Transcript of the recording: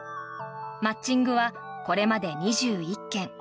マッチングはこれまで２１件。